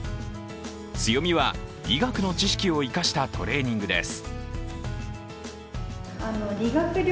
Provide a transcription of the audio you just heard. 強みは医学の知識を生かしたトレーニングです